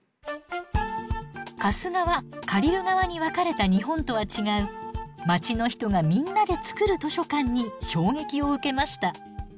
貸す側借りる側に分かれた日本とは違う街の人がみんなで作る図書館に衝撃を受けました。